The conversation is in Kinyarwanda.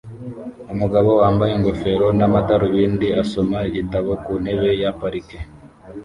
Umugabo wambaye ingofero n'amadarubindi asoma igitabo ku ntebe ya parike